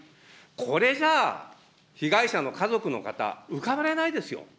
これじゃあ、被害者の家族の方、浮かばれないですよ。